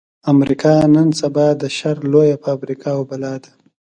امريکا نن سبا د شر لويه فابريکه او بلا ده.